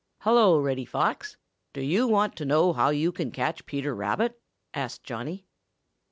"Hello, Reddy Fox! Do you want to know how you can catch Peter Rabbit?" asked Johnny.